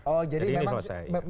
oh jadi ini selesai